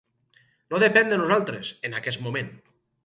No depèn de nosaltres, en aquest moment.